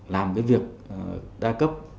làm cái việc đa cấp